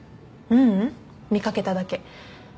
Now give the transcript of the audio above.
ううん見掛けただけ。